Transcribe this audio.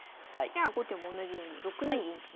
じゃあ後手もおんなじように６二銀と。